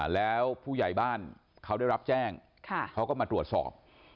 แล้วผู้ใหญ่บ้านเขาได้รับแจ้งเขาก็มาตรวจสอบ